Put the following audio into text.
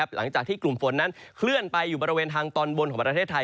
หลังจากที่กลุ่มฝนนั้นเคลื่อนไปอยู่บริเวณทางตอนบนของประเทศไทย